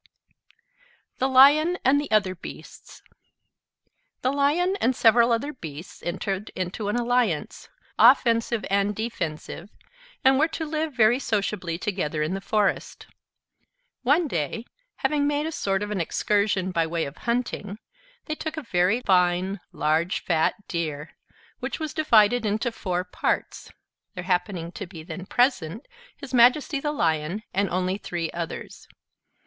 THE LION AND THE OTHER BEASTS The Lion and several other beasts entered into an alliance, offensive and defensive, and were to live very sociably together in the forest. One day, having made a sort of an excursion by way of hunting, they took a very fine, large, fat deer, which was divided into four parts; there happening to be then present his Majesty the Lion, and only three others.